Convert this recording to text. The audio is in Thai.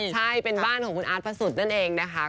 ใช่เป็นบ้านของคุณอาร์ตพระสุทธิ์นั่นเองนะคะ